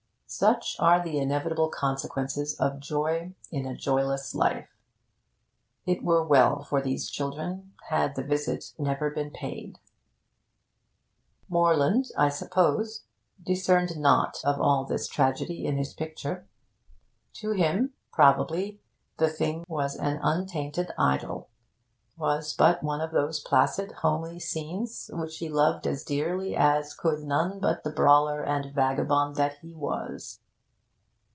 Such are the inevitable consequences of joy in a joyless life. It were well for these children had 'The Visit' never been paid. Morland, I suppose, discerned naught of all this tragedy in his picture. To him, probably, the thing was an untainted idyll, was but one of those placid homely scenes which he loved as dearly as could none but the brawler and vagabond that he was.